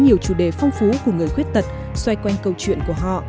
nhiều chủ đề phong phú của người khuyết tật xoay quanh câu chuyện của họ